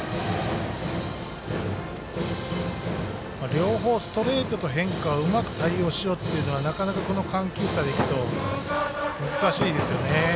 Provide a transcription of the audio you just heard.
両方、ストレートと変化をうまく対応しようっていうのはなかなかこの緩急差でいうと難しいですよね。